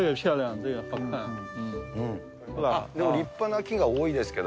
立派な木が多いですけど。